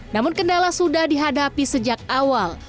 namun kendala sudah dihadapi sejak awal